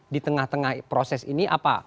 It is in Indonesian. di tengah tengah proses ini apa